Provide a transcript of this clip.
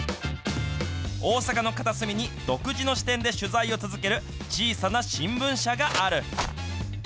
大阪の片隅に独自の視点で取材を続ける小さな新聞社がある。